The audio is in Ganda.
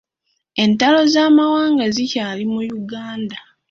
Entalo z'amawanga zikyalimu mu Uganda.